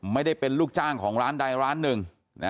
ไม่ได้เป็นลูกจ้างของร้านใดร้านหนึ่ง